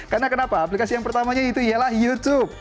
karena kenapa aplikasi yang pertamanya itu ialah youtube